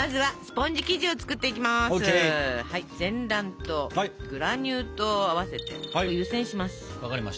全卵とグラニュー糖を合わせて湯せんします。